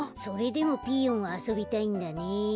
それでもピーヨンはあそびたいんだね。